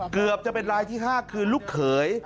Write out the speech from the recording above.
เกือบจะเป็นรายที่๕คือลูกเขย